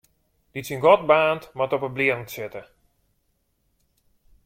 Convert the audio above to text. Dy't syn gat baarnt, moat op 'e blierren sitte.